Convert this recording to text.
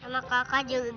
soalnya kan sekarang bagus